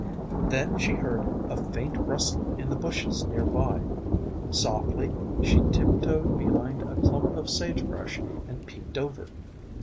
Then she heard a faint rustling in the bushes near by. Softly she tiptoed behind a clump of sagebrush and peeked over.